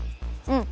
うん。